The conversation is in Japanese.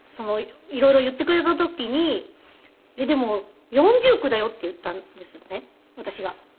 色々言ってくれた時に「でも四重苦だよ」って言ったんですね私が。